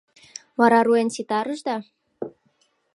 — Вара руэн ситарышда?